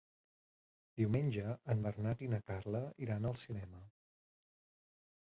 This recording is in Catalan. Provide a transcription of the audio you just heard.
Diumenge en Bernat i na Carla iran al cinema.